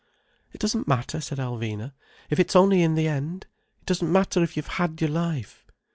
"It doesn't matter," said Alvina, "if it's only in the end. It doesn't matter if you've had your life."